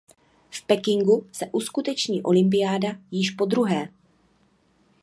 V Pekingu se uskuteční olympiáda již podruhé.